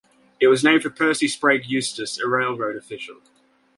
It was named for Percy Sprague Eustis, a railroad official.